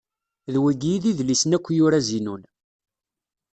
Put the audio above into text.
D wigi i d idlisen akk yura Zinun.